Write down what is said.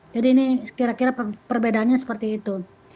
jadi ini kira kira perbedaannya seperti itu